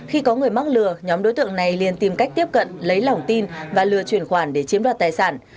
khi có người mắc lừa nhóm đối tượng này liên tìm cách tiếp cận lấy lòng tin và lừa truyền khoản để chiếm đoạt tài sản